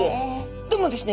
でもですね